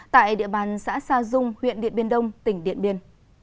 tại địa bàn xã sa dung huyện điện biên đông tỉnh điện biên